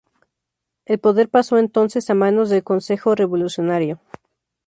El poder pasó entonces a manos del Consejo Revolucionario.